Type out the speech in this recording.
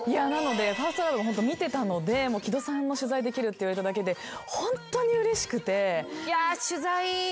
『ＦｉｒｓｔＬｏｖｅ』ホント見てたので木戸さんの取材できるって言われただけでホントにうれしくて。